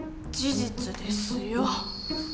事実ですよ。